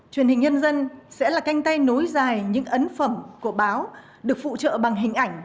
truyền hình nhân dân sẽ là canh tay nối dài những ấn phẩm của báo được phụ trợ bằng hình ảnh